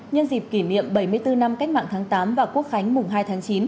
nhân dịp kỷ niệm bảy mươi bốn năm cách mạng tháng tám và quốc khánh mùng hai tháng chín